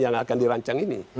yang akan dirancang ini